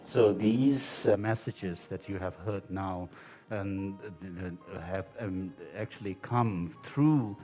jadi pesan pesan yang anda dengar sekarang